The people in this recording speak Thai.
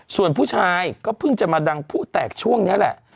ส่วนผู้ชายก็เพิ่งจะมาดังผู้แตกช่วงนี้แหละ